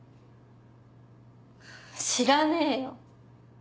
知らねえよ。